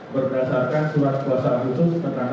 berdasarkan surat kuasa khusus petang empat empat dua ribu tujuh belas